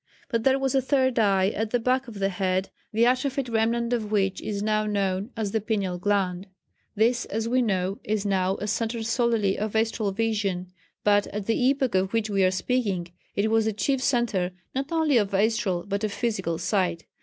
But there was a third eye at the back of the head, the atrophied remnant of which is now known as the pineal gland. This, as we know, is now a centre solely of astral vision, but at the epoch of which we are speaking it was the chief centre not only of astral but of physical sight.